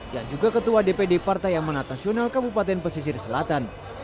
yang juga ketua dpd partai amanat nasional kabupaten pesisir selatan